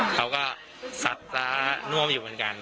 เขาก็ซัดซะนวมอยู่เหมือนกัน